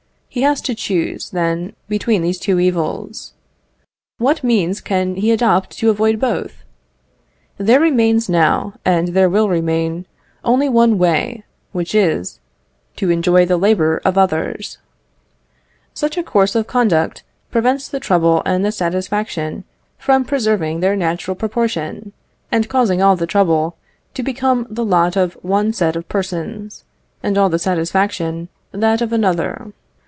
He has to choose, then, between these two evils. What means can he adopt to avoid both? There remains now, and there will remain, only one way, which is, to enjoy the labour of others. Such a course of conduct prevents the trouble and the satisfaction from preserving their natural proportion, and causes all the trouble to become the lot of one set of persons, and all the satisfaction that of another.